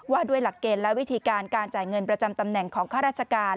ว่าด้วยหลักเกณฑ์และวิธีการการจ่ายเงินประจำตำแหน่งของข้าราชการ